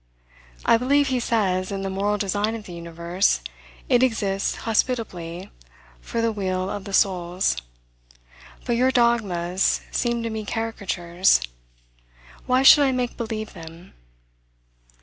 I believe, he says, in the moral design of the universe; it exists hospitably for the weal of the souls; but your dogmas seem to me caricatures; why should I make believe them?